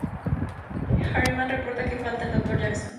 Harriman reporta que falta el Dr. Jackson.